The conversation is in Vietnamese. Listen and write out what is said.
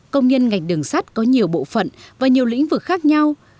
công nhân ngạch đường sát có nhiều bộ phận và nhiều lĩnh vực khác nhau